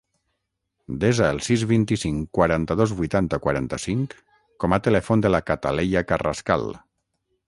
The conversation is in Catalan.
Desa el sis, vint-i-cinc, quaranta-dos, vuitanta, quaranta-cinc com a telèfon de la Cataleya Carrascal.